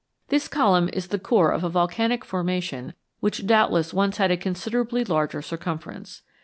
This column is the core of a volcanic formation which doubtless once had a considerably larger circumference.